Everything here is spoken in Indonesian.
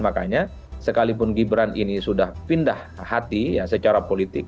dan akhirnya sekalipun gibran ini sudah pindah hati secara politik